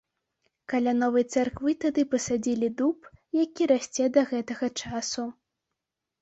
Каля новай царквы тады пасадзілі дуб, які расце да гэтага часу.